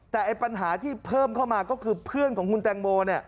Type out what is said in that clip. แต่ปัญหาที่เพิ่มเข้ามาก็คือเพื่อนของคุณแตงโม